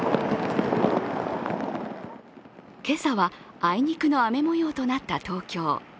今朝はあいにくの雨もようとなった東京。